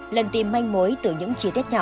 lần tìm manh mối từ những chi tiết nhỏ